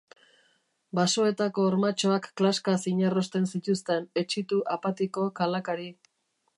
Basoetako hormatxoak klaskaz inarrosten zituzten, etsitu, apatiko, kalakari.